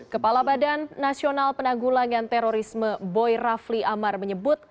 kepala badan nasional penanggulangan terorisme boy rafli amar menyebut